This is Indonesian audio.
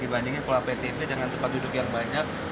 dibandingin pulau aptb dengan tempat duduk yang banyak